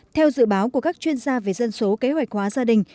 theo dự báo của các chuyên gia về dân số kế hoạch hóa gia đình